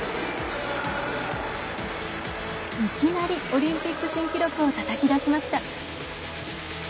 いきなりオリンピック新記録をたたき出しました。